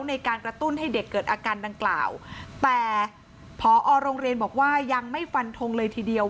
ในการกระตุ้นให้เด็กเกิดอาการดังกล่าวแต่พอโรงเรียนบอกว่ายังไม่ฟันทงเลยทีเดียว